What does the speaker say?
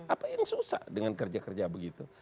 apa yang susah dengan kerja kerja begitu